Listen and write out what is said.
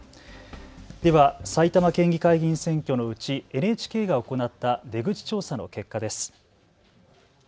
では埼玉県議会議員選挙のうちＮＨＫが行った出口調査の結果です。